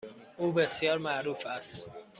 او بسیار معروف است.